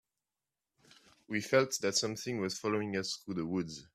We felt that something was following us through the woods.